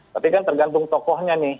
tapi kan tergantung tokohnya nih